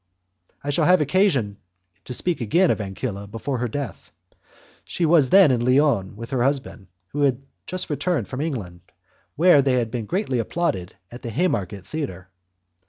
I shall have occasion to speak again of Ancilla before her death. She was then in Lyons with her husband; they had just returned from England, where they had been greatly applauded at the Haymarket Theatre.